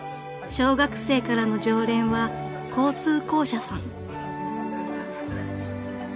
［小学生からの常連は交通公社さん］